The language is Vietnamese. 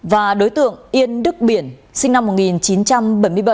và đối tượng yên đức biển sinh năm một nghìn chín trăm bảy mươi bảy